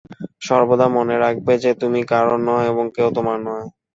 সর্বদা মনে রাখবে যে তুমি কারোর নও এবং কেউ তোমার নয়।